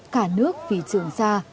cả nước vì trường sa